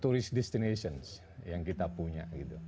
touris destination yang kita punya